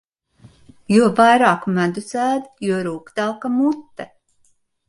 Jo vairāk medus ēd, jo rūgtāka mute.